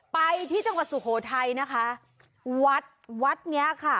ไปที่จังหวัดสุโขทัยนะคะวัดวัดเนี้ยค่ะ